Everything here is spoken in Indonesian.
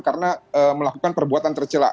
karena melakukan perbuatan tercelah